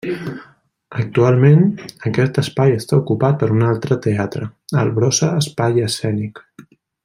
Actualment, aquest espai està ocupat per un altre teatre: el Brossa Espai Escènic.